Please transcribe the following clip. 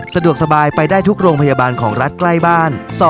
สะดวกสบายไปได้ทุกโรงพยาบาลของรัฐใกล้บ้าน